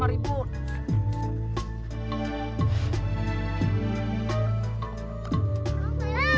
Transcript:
ya allah ya allah